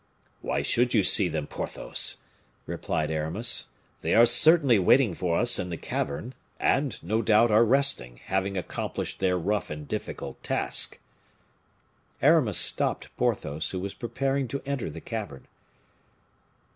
"Why should you see them, Porthos?" replied Aramis. "They are certainly waiting for us in the cavern, and, no doubt, are resting, having accomplished their rough and difficult task." Aramis stopped Porthos, who was preparing to enter the cavern.